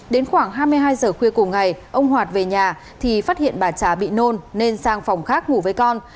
đến khoảng hai mươi hai giờ khuya cùng ngày ông hoạt về nhà thì phát hiện bà trà bị nôn nên sang phòng khác ngủ với con